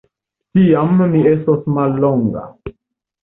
Tiam mi estos mallonga.